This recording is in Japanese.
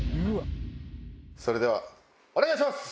それではお願いします！